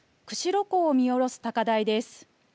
釧路港を見下ろす高台です。